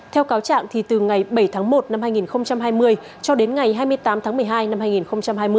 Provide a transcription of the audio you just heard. theo cáo trạng từ ngày bảy tháng một năm hai nghìn hai mươi cho đến ngày hai mươi tám tháng một mươi hai năm hai nghìn hai mươi